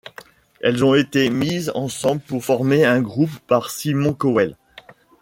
Elles ont été mises ensemble pour former un groupe par Simon Cowell.